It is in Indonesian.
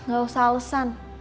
gak usah alesan